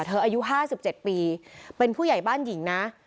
อายุ๕๗ปีเป็นผู้ใหญ่บ้านหญิงนะ